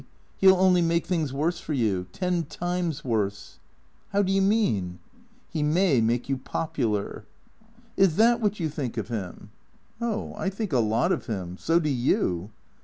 He '11 only make things worse for you. Ten times worse," " How do you mean ?"" He may make you popular." " Is that what you think of him ?"" Oh, I think a lot of him. So do you."